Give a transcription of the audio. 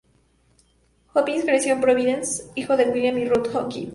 Hopkins nació en Providence, hijo de William y Ruth Hopkins.